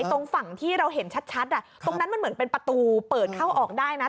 ตรงฝั่งที่เราเห็นชัดตรงนั้นมันเหมือนเป็นประตูเปิดเข้าออกได้นะ